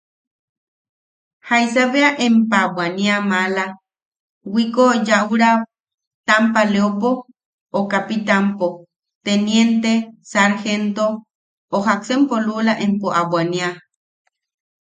¿Jaisa bea empa bwania maala wiko yaʼut-ra tampaleopo o kapitanpo, teniente, sarjento o jaksempo luula empo a bwania?